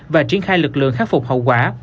và triển khai lực lượng khắc phục hậu quả